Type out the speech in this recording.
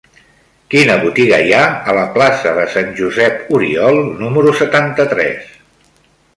Quina botiga hi ha a la plaça de Sant Josep Oriol número setanta-tres?